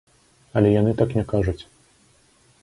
Але яны так не кажуць.